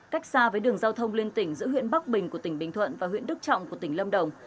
cách xa với đường giao thông liên tỉnh giữa huyện bắc bình của tỉnh bình thuận và huyện đức trọng của tỉnh lâm đồng